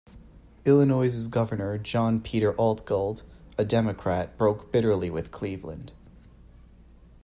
Illinois's Governor John Peter Altgeld, a Democrat, broke bitterly with Cleveland.